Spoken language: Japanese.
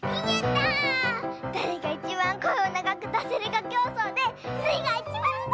だれがいちばんこえをながくだせるかきょうそうでスイがいちばんだ！